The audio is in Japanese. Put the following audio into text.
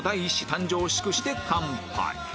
誕生を祝して乾杯